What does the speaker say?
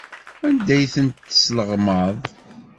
Anda ay ten-tesleɣmaḍ?